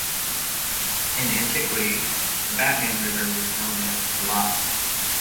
In Antiquity, the Batman River was known as "Kalat".